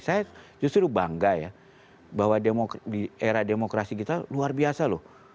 saya justru bangga ya bahwa di era demokrasi kita luar biasa loh